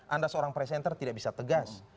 anda seorang presenter tidak bisa tegas